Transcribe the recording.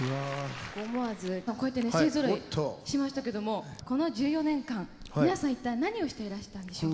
こうやってね勢ぞろいしましたけどもこの１４年間皆さん一体何をしていらしたんでしょう？